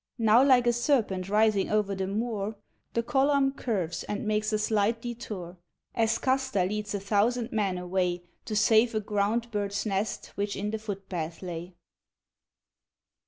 Now like a serpent writhing o'er the moor, The column curves and makes a slight detour, As Custer leads a thousand men away To save a ground bird's nest which in the footpath lay.